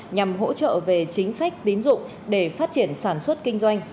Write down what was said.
nhằm hỗ trợ về chính sách tín dụng để phát triển sản xuất kinh doanh